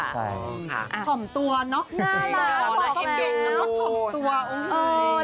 หอมตัวเนอะ